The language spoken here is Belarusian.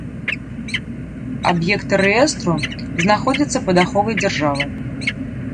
Аб'екты рэестру знаходзяцца пад аховай дзяржавы.